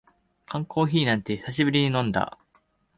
缶コーヒーなんて久しぶりに飲んだ